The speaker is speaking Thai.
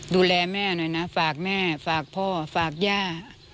ดูแลแม่หน่อยนะฝากแม่ฝากพ่อฝากย่า